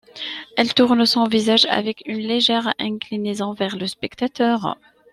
Elle tourne son visage, avec une légère inclinaison vers le spectateur.